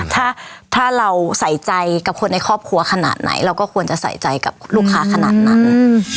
ถ้าถ้าเราใส่ใจกับคนในครอบครัวขนาดไหนเราก็ควรจะใส่ใจกับลูกค้าขนาดนั้น